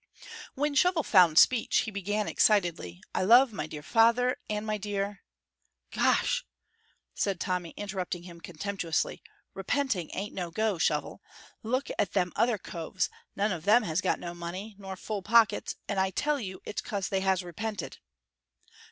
When Shovel found speech he began excitedly: "I love my dear father and my dear " "Gach!" said Tommy, interrupting him contemptuously. "Repenting ain't no go, Shovel. Look at them other coves; none of them has got no money, nor full pockets, and I tell you, it's 'cos they has repented."